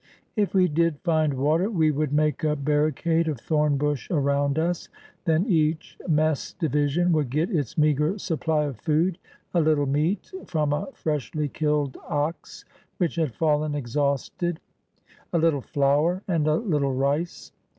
If we did find water, we would make a barricade of thorn bush around us. Then each mess division would get its meager supply of food; a little meat from a freshly killed ox which had fallen ex hausted, a Httle flour, and a httle rice.